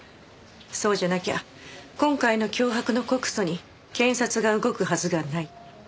そうじゃなきゃ今回の脅迫の告訴に検察が動くはずがない。